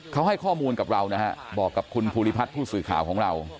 เขาให้ข้อมูลกับเรานะฮะบอกกับคุณภูริพัฒน์ผู้สื่อข่าวของเรา